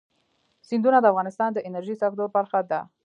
سیندونه د افغانستان د انرژۍ سکتور برخه ده.